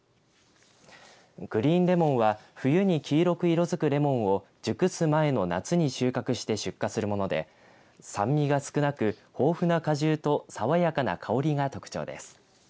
グリーンレモンは冬に黄色く色づくレモンを熟す前の夏に収穫して出荷するもので酸味が少なく豊富な果汁と爽やかな香りが特徴です。